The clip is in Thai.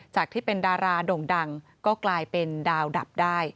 ที่เป็นดาราโด่งดังก็กลายเป็นดาวดับได้